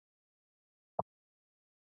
د تبادلې ګډ یا مشترک نرخ هم شته.